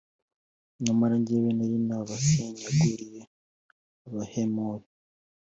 Nyamara jyewe nari nabasenyaguriye Abahemori,